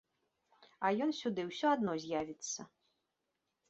А ён сюды ўсё адно з'явіцца.